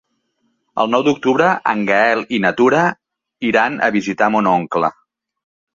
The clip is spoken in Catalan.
El nou d'octubre en Gaël i na Tura iran a visitar mon oncle.